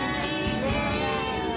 ねえ。